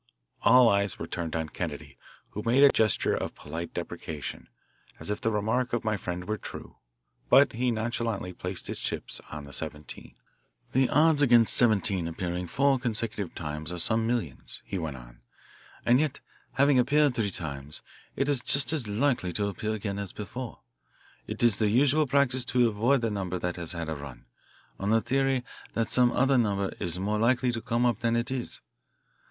All eyes were turned on Kennedy, who made a gesture of polite deprecation, as if the remark of my friend were true, but he nonchalantly placed his chips on the "17." "The odds against '17' appearing four consecutive times are some millions," he went on, "and yet, having appeared three times, it is just as likely to appear again as before. It is the usual practice to avoid a number that has had a run, on the theory that some other number is more likely to come up than it is.